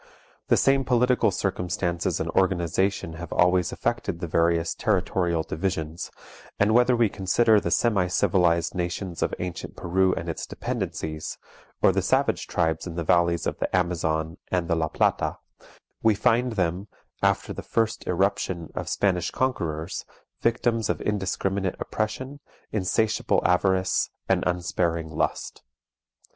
The same political circumstances and organization have always affected the various territorial divisions, and whether we consider the semi civilized nations of ancient Peru and its dependencies, or the savage tribes in the valleys of the Amazon and the La Plata, we find them, after the first irruption of Spanish conquerors, victims of indiscriminate oppression, insatiable avarice, and unsparing lust.